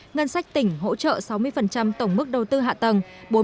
ngân sách tỉnh hỗ trợ sáu mươi tổng mức đầu tư hạ tầng